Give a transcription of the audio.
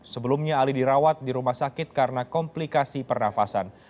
sebelumnya ali dirawat di rumah sakit karena komplikasi pernafasan